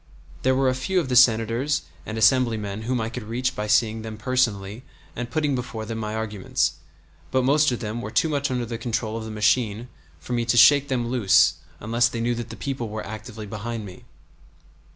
There were a few of the Senators and Assemblymen whom I could reach by seeing them personally and putting before them my arguments; but most of them were too much under the control of the machine for me to shake them loose unless they knew that the people were actively behind me.